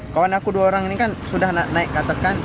kawan aku dua orang ini kan sudah naik katakan